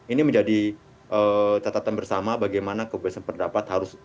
ini menjadi catatan bersama bagaimana kebebasan pendapat harus